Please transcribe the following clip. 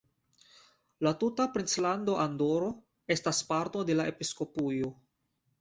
La tuta princlando Andoro estas parto de la episkopujo.